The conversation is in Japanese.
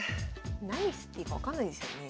何していいか分かんないですよね。